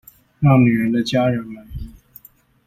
讓女人的家人滿意